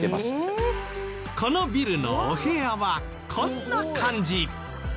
このビルのお部屋はこんな感じ。